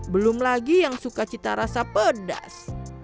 belum lagi yang suka cita rasa pedas